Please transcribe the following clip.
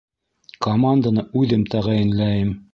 Команданы үҙем тәғәйенләйем.